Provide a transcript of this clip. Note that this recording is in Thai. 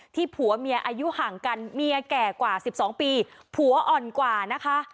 ผัวเมียอายุห่างกันเมียแก่กว่า๑๒ปีผัวอ่อนกว่านะคะ